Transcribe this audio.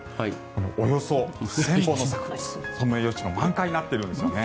およそ１０００本のソメイヨシノ満開になっているんですよね。